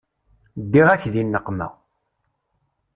Ddiɣ-ak di nneqma.